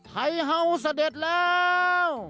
ไทยเฮาส์เสด็จแล้ว